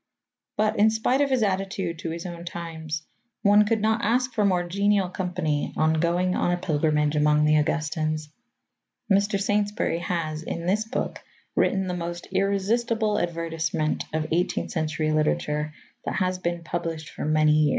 But, in spite of his attitude to his own times, one could not ask for more genial company on going on a pilgrimage among the Augustans. Mr. Saintsbury has in this book written the most irresistible advertisement of eighteenth century literature that has been published for many years.